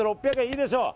いいでしょう。